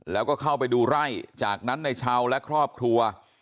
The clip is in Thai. แล้วก็เข้าไปดูไร่จากนั้นในเช้าและครอบครัว